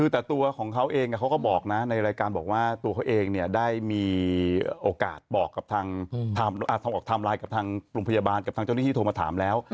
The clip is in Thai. แต่ตัวของเขาเองเขาก็บอกนะในรายการบอกว่าตัวเขาเองได้มีโอกาสบอกกับทางออกไทม์ไลน์กับทางโรงพยาบาลกับทางเจ้าหน้าที่โทรมาถามแล้ว